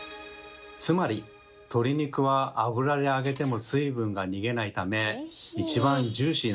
つまり鶏肉は油で揚げても水分が逃げないため一番ジューシーなんです。